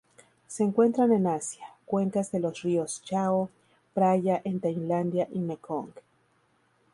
Se encuentran en Asia: cuencas de los ríos Chao Phraya en Tailandia y Mekong.